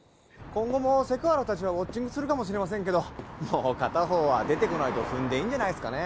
今後もセク原達はウォッチングするかもしれませんけどもう片方は出てこないと踏んでいいんじゃないすかね